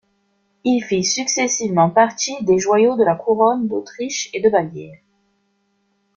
Il fit successivement partie des joyaux de la couronne d'Autriche et de Bavière.